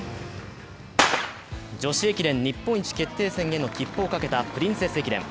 女子駅伝日本一決定戦への切符をかけたプリンセス駅伝。